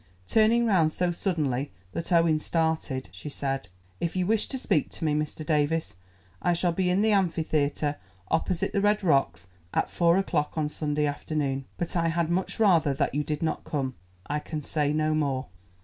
Turning round so suddenly that Owen started, she said: "If you wish to speak to me, Mr. Davies, I shall be in the Amphitheatre opposite the Red Rocks, at four o'clock on Sunday afternoon, but I had much rather that you did not come. I can say no more."